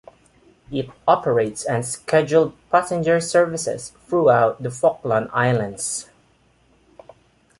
It operates unscheduled passenger services throughout the Falkland Islands.